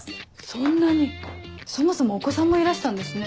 そんなにそもそもお子さんもいらしたんですね。